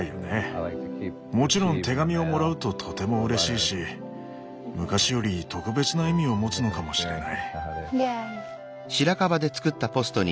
もちろん手紙をもらうととてもうれしいし昔より特別な意味を持つのかもしれない。